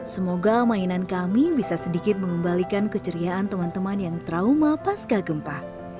semoga mainan kami bisa sedikit mengembalikan keceriaan teman teman yang trauma pasca gempa